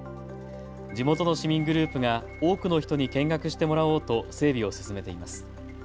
地元の市民グループが多くの人に見学してもらおうと整備を進めています。